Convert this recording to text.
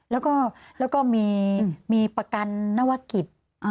แล้วก็มีประกันนวกิจ